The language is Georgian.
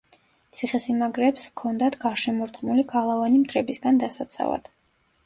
ციხესიმაგრეებს ჰქონდათ გარშემორტყმული გალავანი მტრებისგან დასაცავად.